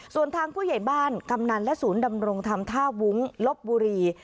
ส่วนทางผู้ใหญ่บ้านกำนันและศูนย์ดำรงธรรมท่าวุ้งลบบุรี